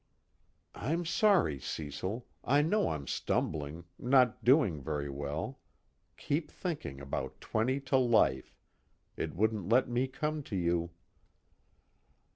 _I'm sorry, Cecil, I know I'm stumbling, not doing very well keep thinking about twenty to life it wouldn't let me come to you.